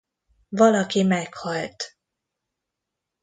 Valaki meghalt!